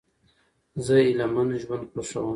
زه هیلهمن ژوند خوښوم.